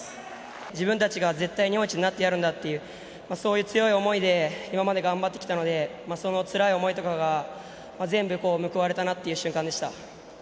自分たちが絶対日本一になってやるんだという、そういう強い思いで今まで頑張ってきたので、そのつらい思いとかが全部報われたなっていう瞬間でした。